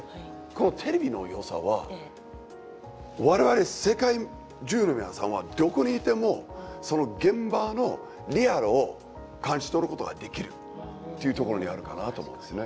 テレビのよさは我々世界中の皆さんはどこにいてもその現場のリアルを感じ取ることができるっていうところにあるかなと思うんですね。